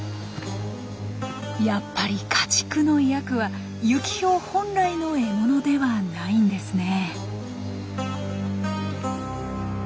やっぱり家畜のヤクはユキヒョウ本来の獲物ではないんですね。